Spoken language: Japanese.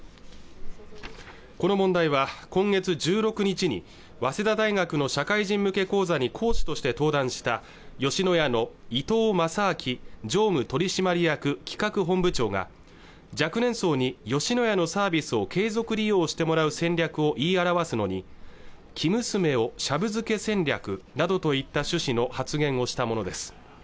この問題は今月１６日に早稲田大学の社会人向け講座に講師として登壇した吉野家の伊東正明常務取締役企画本部長が若年層に吉野家のサービスを継続利用してもらう戦略を言い表すのに生娘をシャブ漬け戦略などといった趣旨の発言をしたものです